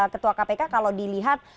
ketua kpk kalau dilihat